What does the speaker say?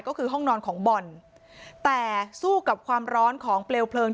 ก็คือห้องนอนของบ่อนแต่สู้กับความร้อนของเปลวเพลิง